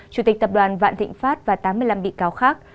chủ tịch tập đoàn vạn thịnh pháp và tám mươi năm bị cáo khác